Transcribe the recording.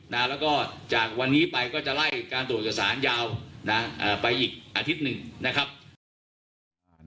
แล้วก็จากวันนี้ไปก็จะไล่การตรวจเอกสารยาวไปอีกอาทิตย์หนึ่งนะครับ